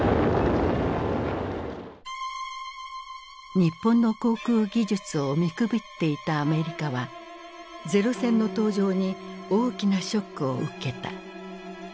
日本の航空技術を見くびっていたアメリカは零戦の登場に大きなショックを受けた。